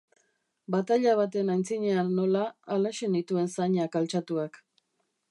Bataila baten aitzinean nola, halaxe nituen zainak altxatuak.